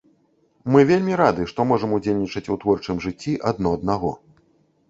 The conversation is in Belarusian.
Мы вельмі рады, што можам удзельнічаць у творчым жыцці адно аднаго.